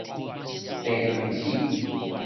茶卵鼠